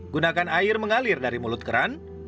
gunakan air mengalir dari mulut keran